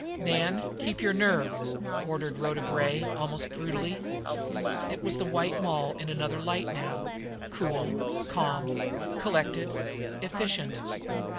"Nan, keep your nerve!" ordered Rhoda Gray almost brutally. It was the White Moll in another light now, cool, calm, collected, efficient.